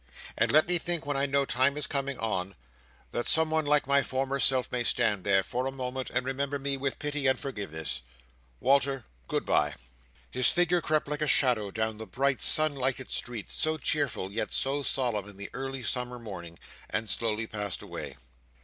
And let me think, when I know time is coming on, that some one like my former self may stand there, for a moment, and remember me with pity and forgiveness! Walter, good bye!" His figure crept like a shadow down the bright, sun lighted street, so cheerful yet so solemn in the early summer morning; and slowly passed away.